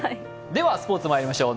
では、スポーツにまいりましょう。